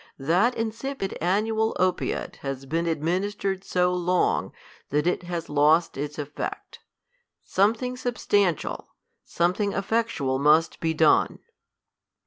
That insipid annual opiate has been ad ministered so long, that it has lost its effect. Some thing substantial, something effectual must be done.